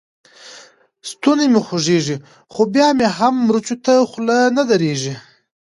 ستونی مې خوږېږي؛ خو بيا مې هم مرچو ته خوله نه درېږي.